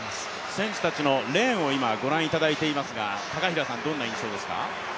選手たちのレーンをご覧いただいていますが、どんな印象ですか。